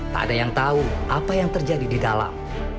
tak ada yang tahu apa yang terjadi di dalam